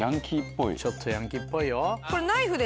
ちょっとヤンキーっぽいよ。